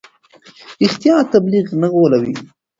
رښتیا تبلیغ نه غولوي.